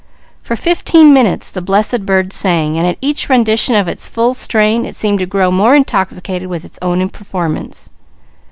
For fifteen minutes the blessed bird sang, and at each rendition of its full strain, it seemed to grow more intoxicated with its own performance.